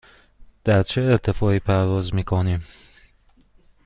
در چه ارتفاعی پرواز می کنیم؟